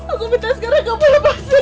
aku minta sekarang kamu lepasin aku clara